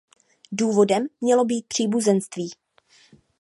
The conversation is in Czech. Důvodem mělo být příbuzenství.